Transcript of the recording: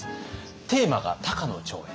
テーマが「高野長英」。